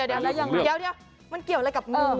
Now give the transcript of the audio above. เดี๋ยวมันเกี่ยวอะไรกับงู